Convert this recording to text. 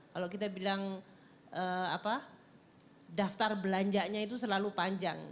kalau kita bilang daftar belanjanya itu selalu panjang